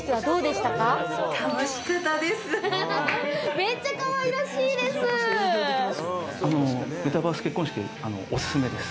めっちゃかわいらしいです！